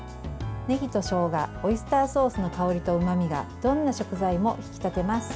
ねぎとしょうがオイスターソースの香りとうまみがどんな食材も引き立てます。